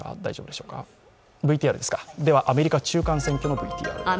ではアメリカ中間選挙のＶＴＲです。